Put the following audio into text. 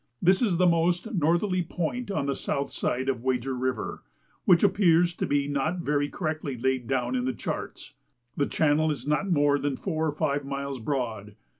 This is the most northerly point on the south side of Wager River, which appears to be not very correctly laid down in the charts. The channel is not more than four or five miles broad.